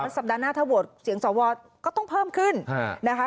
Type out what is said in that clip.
สัปดาห์หน้าถ้าโหวตเสียงสวก็ต้องเพิ่มขึ้นนะคะ